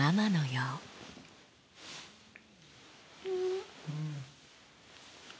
うん。